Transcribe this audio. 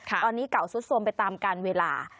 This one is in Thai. ตอนนี้เก่าซุดโทรมไปตามการเวลา